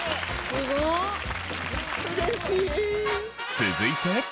すごい！続いて。